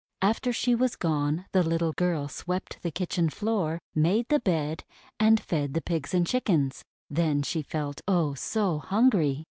After she was gone the little girl swept the kitchen floor, made the bed, and fed the Pigs and Chickens. Then she felt, oh! so hungry!